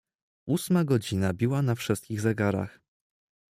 "Ósma godzina biła na wszystkich zegarach."